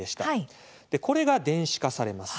これが、電子化されます。